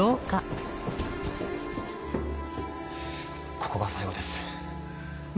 ここが最後です。